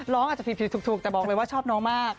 อาจจะผิดถูกแต่บอกเลยว่าชอบน้องมาก